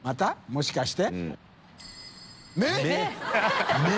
もしかして？芽」？